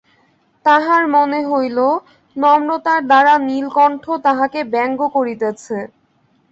তাহার মনে হইল, নম্রতার দ্বারা নীলকণ্ঠ তাহাকে ব্যাঙ্গ করিতেছে।